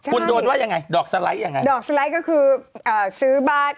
คุณโดนว่ายังไงดอกสไลด์ยังไงดอกสไลด์ก็คือซื้อบ้าน